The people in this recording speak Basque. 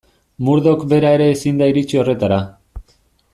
Murdoch bera ere ezin da iritsi horretara.